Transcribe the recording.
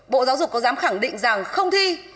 bộ giáo dục có dám khẳng định rằng không thi